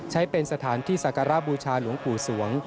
ใช้เป็นสถานที่สักการะบูชาหลวงปู่สวง